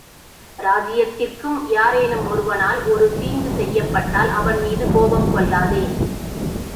ராஜ்யத்திற்கும் யாரேனும் ஒருவனால் ஒரு தீங்கு செய்யப்பட்டால் அவன்மீது கோபம் கொள்ளாதே.